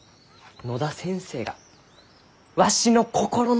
野田先生がわしの心の友じゃ！